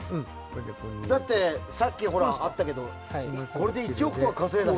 だってさっきあったけどこれで１億とかそうです。